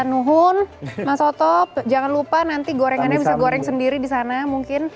nuhun mas otop jangan lupa nanti gorengannya bisa goreng sendiri di sana mungkin